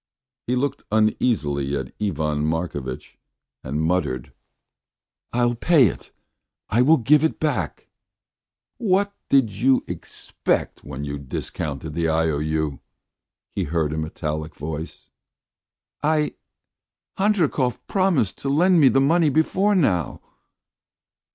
He looked uneasily at Ivan Markovitch and muttered: "I'll pay it ... I'll give it back. ..." "What did you expect when you discounted the IOU?" he heard a metallic voice. "I ... Handrikov promised to lend me the money before now."